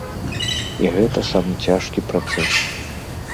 І гэта самы цяжкі працэс.